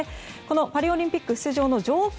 パリオリンピック出場の条件